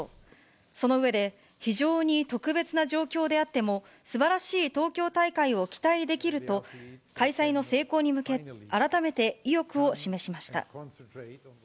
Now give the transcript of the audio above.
その上で、非常に特別な状況であっても、すばらしい東京大会を期待できると開催の成功に向け、改めて意欲を示しました。